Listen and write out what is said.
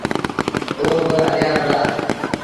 او با هليآ وُهڙآ۔